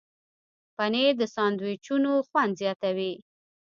پنېر د ساندویچونو خوند زیاتوي.